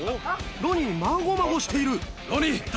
ロニーまごまごしている。